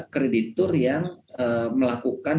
kreditur yang melakukan